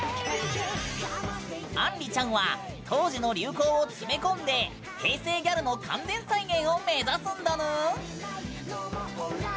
あんりちゃんは当時の流行を詰め込んで平成ギャルの完全再現を目指すんだぬー！